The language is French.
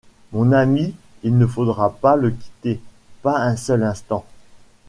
Mon ami, il ne faudra pas le quitter, pas un seul instant.